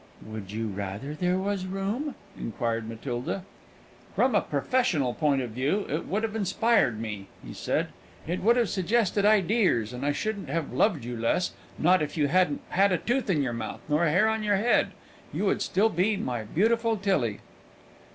"Would you rather there was room!" inquired Matilda. "From a puffessional point of view, it would have inspired me," he said. "It would have suggested ideers, and I shouldn't have loved you less, not if you hadn't had a tooth in your mouth nor a hair on your head; you would still be my beautiful Tillie."